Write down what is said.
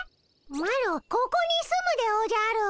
マロここに住むでおじゃる。